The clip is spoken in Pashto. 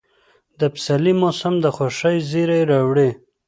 د پسرلي موسم د خوښۍ زېرى راوړي.